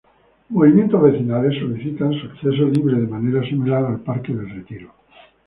Movimientos vecinales solicitan su acceso libre de manera similar al Parque del Retiro.